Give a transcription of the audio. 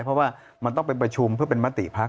เพราะว่ามันต้องไปประชุมเพื่อเป็นมติพัก